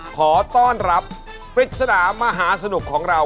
ขอต้อนรับปริศนามหาสนุกของเรา